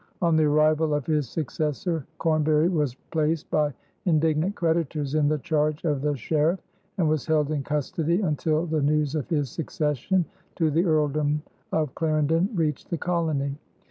On the arrival of his successor, Cornbury was placed by indignant creditors in the charge of the sheriff, and was held in custody until the news of his succession to the earldom of Clarendon reached the colony.